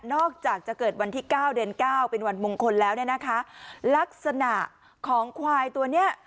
อกจากจะเกิดวันที่เก้าเดือนเก้าเป็นวันมงคลแล้วเนี่ยนะคะลักษณะของควายตัวเนี้ย